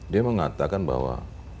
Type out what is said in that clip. dia mengatakan bahwa